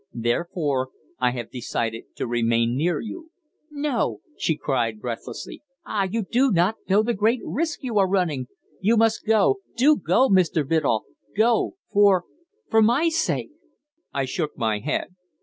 Therefore I have decided to remain near you." "No," she cried breathlessly. "Ah! you do not know the great risk you are running! You must go do go, Mr. Biddulph go, for for my sake!" I shook my head.